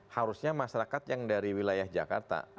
harusnya masyarakat yang dari wilayah jakarta